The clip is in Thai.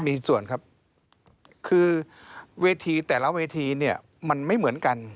มีส่วนครับคือเวทีแต่ละเวทีเนี่ยมันไม่เหมือนกัน